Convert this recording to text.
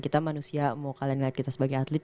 kita manusia mau kalian lihat kita sebagai atlet